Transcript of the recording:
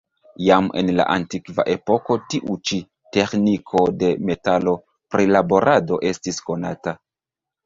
Jam en la antikva epoko tiu ĉi teĥniko de metalo-prilaborado estis konata.